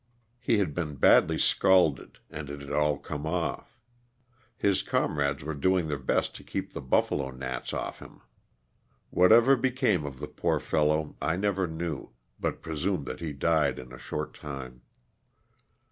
He had been badly scalded and it had all come off. His comrades were doing their best to keep the buffalo gnats off him. What ever became of the poor fellow I never knew, but presume that he died in a short time.